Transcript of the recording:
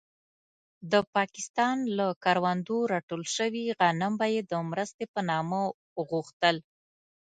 د پاکستان له کروندو راټول شوي غنم به يې د مرستې په نامه غوښتل.